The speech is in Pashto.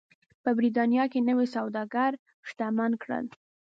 په برېټانیا کې نوي سوداګر شتمن کړل.